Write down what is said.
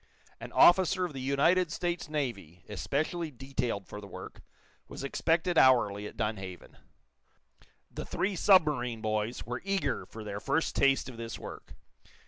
An officer of the United States Navy, especially detailed for the work, was expected hourly at Dunhaven. The three submarine boys were eager for their first taste of this work.